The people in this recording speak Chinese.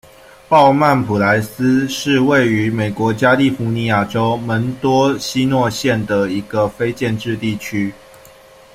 鲍曼普莱斯是位于美国加利福尼亚州门多西诺县的一个非建制地区。